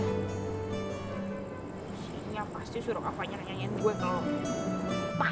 si nya pasti suruh kak fanya nyenyakin gue kalo